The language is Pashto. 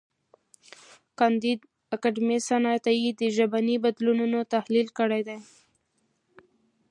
کانديد اکاډميسن عطایي د ژبني بدلونونو تحلیل کړی دی.